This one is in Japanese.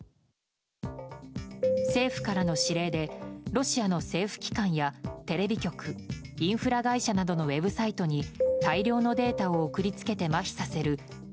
政府からの指令でロシアの政府機関やテレビ局、インフラ会社などのウェブサイトに大量のデータを送り付けてまひさせるＤＤｏＳ